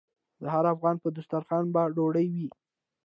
د هر افغان په دسترخان به ډوډۍ وي؟